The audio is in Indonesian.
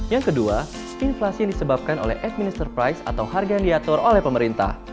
yang kedua inflasi yang disebabkan oleh administer price atau harga yang diatur oleh pemerintah